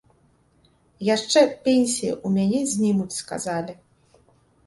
Яшчэ пенсіі ў мяне знімуць, сказалі.